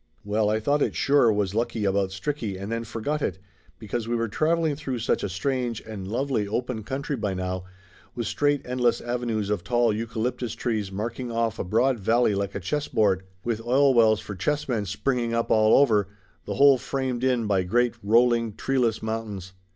Well, I thought it sure was lucky about Stricky, and then forgot it, because we were traveling through such a strange and lovely open country by now, with straight endless avenues of tall eucalyptus trees marking off a broad valley like a chess board, with oil wells for chess men springing up all over, the whole framed in by great, rolling, treeless mountains.